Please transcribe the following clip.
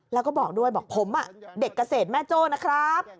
แล้วก็บอกด้วยบอกผมเด็กเกษตรแม่โจ้นะครับ